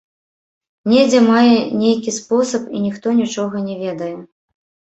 Недзе мае нейкі спосаб, і ніхто нічога не ведае.